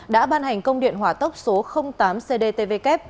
đã ban hành công điện hỏa tốc số tám cdtvk